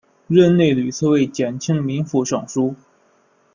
任内屡次为减轻民负上疏。